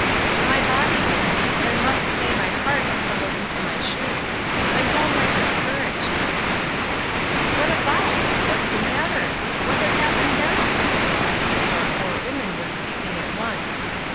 "My body didn't; but I must say my heart has tumbled into my shoes. I'm downright discouraged." "What about?" — "What's the matter?" 352 ESTER RIED'S NAMESAKE —'' What has happened now ?" Three or f o\ir women were speaking at once.